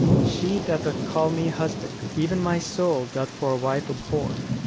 155 She that doth call me husband, even my soul Doth for a wife abhor.